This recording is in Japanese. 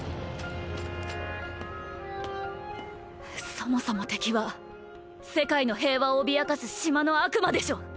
そもそも敵は世界の平和を脅かす島の悪魔でしょ？